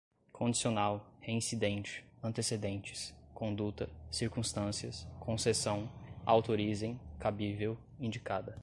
condicional, reincidente, antecedentes, conduta, circunstâncias, concessão, autorizem, cabível, indicada